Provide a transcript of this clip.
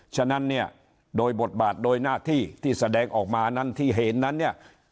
ฉะนั้นเนี่ยโดยบทบาทโดยหน้าที่ที่แสดงออกมานั้นที่เห็นนั้นเนี่ย